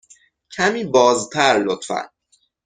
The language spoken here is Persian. کمی بازتر، لطفاً.